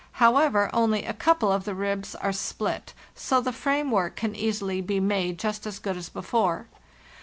However, only a couple of the ribs are split, so the framework can easily be made just as good as before.